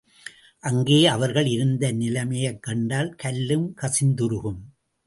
அங்கே அவர்கள் இருந்த நிலைமையைக் கண்டால், கல்லும் கசிந்துருகும்.